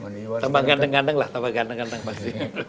tepat kanteng kanteng lah tepat kanteng kanteng mas